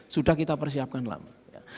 sudah kita persiapkan lama